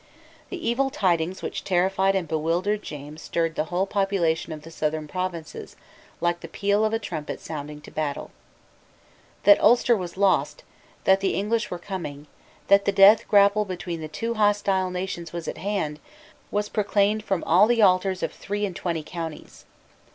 The evil tidings which terrified and bewildered James stirred the whole population of the southern provinces like the peal of a trumpet sounding to battle. That Ulster was lost, that the English were coming, that the death grapple between the two hostile nations was at hand, was proclaimed from all the altars of three and twenty counties.